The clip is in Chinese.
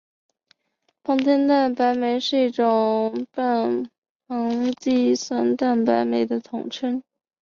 胱天蛋白酶是一类半胱氨酸蛋白酶的统称。